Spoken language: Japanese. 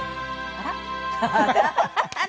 あら？